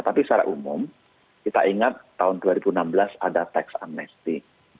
tapi secara umum kita ingat tahun dua ribu enam belas ada tax amnesti